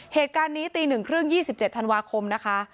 เหตุการณ์นี้ตีหนึ่งครึ่ง๒๗ธันวาคมนะคะ